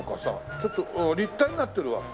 ちょっと立体になってるわ。